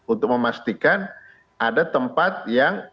untuk memastikan ada tempat yang